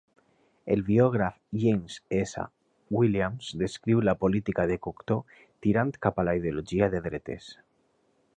El Biògraf James S. Williams descriu la política de Cocteau tirant cap a la idiologia de dretes.